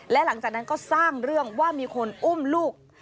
และหลังจากนั้นก็สร้างเรื่องว่ามีคนอุ้มลูก